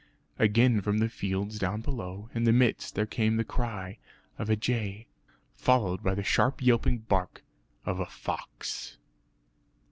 Again from the fields down below in the mist there came the angry cry of a jay followed by the sharp yelping bark of a fox!